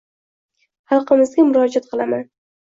xalqimizga murojaat qilaman—